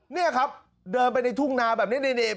เนี่ยครับเดินไปในทุ่งนาแบบเนี้ยเนี้ยเนี้ย